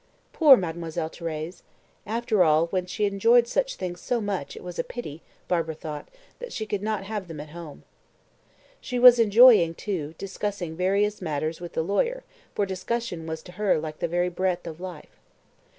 Poor Mademoiselle Thérèse! After all, when she enjoyed such things so much, it was a pity, Barbara thought, that she could not have them at home. She was enjoying, too, discussing various matters with the lawyer, for discussion was to her like the very breath of life.